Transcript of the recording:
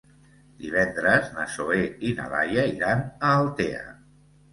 Divendres na Zoè i na Laia iran a Altea.